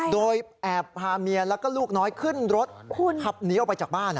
โดยแอบพาเมียแล้วก็ลูกน้อยขึ้นรถขับหนีออกไปจากบ้าน